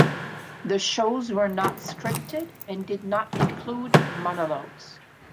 The shows were not scripted and did not include monologues.